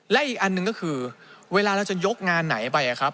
และอีกอันหนึ่งก็คือเวลาเราจะยกงานไหนไปครับ